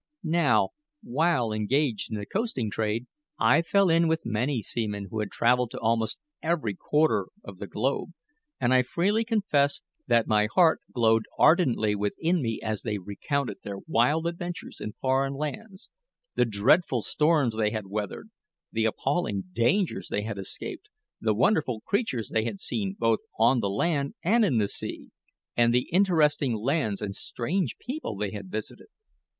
Now, while engaged in the coasting trade I fell in with many seamen who had travelled to almost every quarter of the globe; and I freely confess that my heart glowed ardently within me as they recounted their wild adventures in foreign lands the dreadful storms they had weathered, the appalling dangers they had escaped, the wonderful creatures they had seen both on the land and in the sea, and the interesting lands and strange people they had visited.